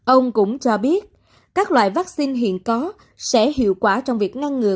ông cũng cho biết các loại vaccine hiện có sẽ hiệu quả trong việc ngăn ngừa